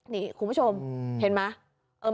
นี่คุณผู้ชมเห็นไหม